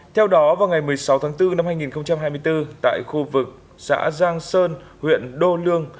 theo đó vào ngày một mươi sáu tháng bốn năm hai nghìn hai mươi bốn tại khu vực xã giang sơn huyện đô lương